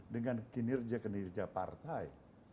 dengan kinerja kenerja partai